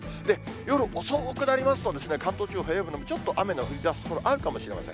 夜遅くなりますとですね、関東地方、平野部でもちょっと雨の降りだす所あるかもしれません。